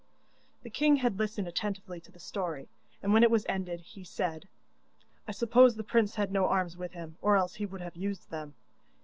The king had listened attentively to the story, and when it was ended he said: 'I suppose the prince had no arms with him, or else he would have used them?